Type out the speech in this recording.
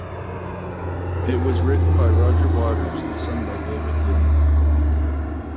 It was written by Roger Waters and sung by David Gilmour.